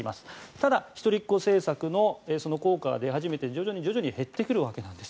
ただ、一人っ子政策の効果が出始めて徐々に減ってくるわけです。